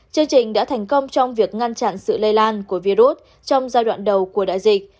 chương trình đã thành công trong việc ngăn chặn sự lây lan của virus trong giai đoạn đầu của đại dịch